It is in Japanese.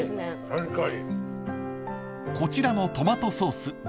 ［こちらのトマトソース］